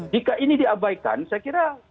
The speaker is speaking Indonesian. jika ini diabaikan saya kira